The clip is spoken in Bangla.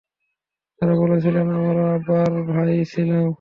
তারা বলেছিল, আমরা বার ভাই ছিলাম।